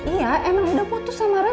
iya emang udah putus sama raja